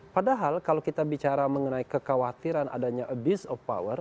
padahal kalau kita bicara mengenai kekhawatiran adanya abuse of power